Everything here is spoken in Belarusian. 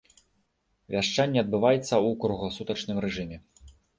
Вяшчанне адбываецца ў кругласутачным рэжыме.